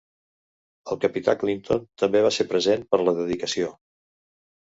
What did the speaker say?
El capità Clinton també va ser present per la dedicació.